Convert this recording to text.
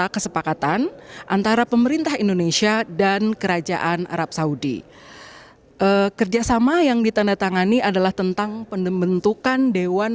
kedua pemimpin negara menyaksikan penandatanganan